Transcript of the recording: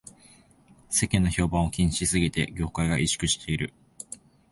世間の評判を気にしすぎで業界が萎縮している